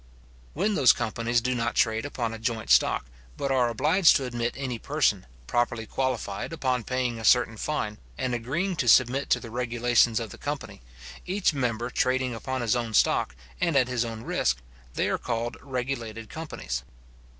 When those companies do not trade upon a joint stock, but are obliged to admit any person, properly qualified, upon paying a certain fine, and agreeing to submit to the regulations of the company, each member trading upon his own stock, and at his own risk, they are called regulated companies.